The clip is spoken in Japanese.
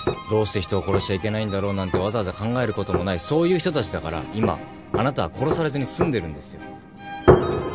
「どうして人を殺しちゃいけないんだろう」なんてわざわざ考えることもないそういう人たちだから今あなたは殺されずに済んでるんですよ。